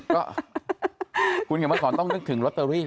ก็คุณเขียนมาสอนต้องนึกถึงลอตเตอรี่